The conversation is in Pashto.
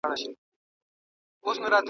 چې پخوا یې هېڅ نه لرل.